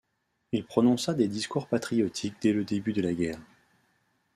Il prononça des discours patriotiques dès le début de la guerre.